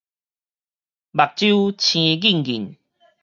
目睭青 gìn-gìn